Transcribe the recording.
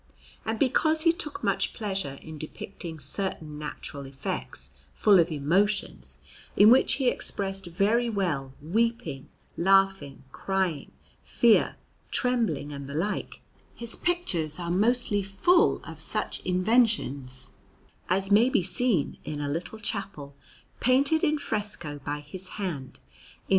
And because he took much pleasure in depicting certain natural effects full of emotions, in which he expressed very well weeping, laughing, crying, fear, trembling, and the like, his pictures are mostly full of such inventions; as may be seen in a little chapel painted in fresco by his hand in S.